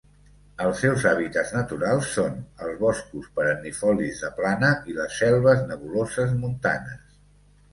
Els seus hàbitats naturals són els boscos perennifolis de plana i les selves nebuloses montanes.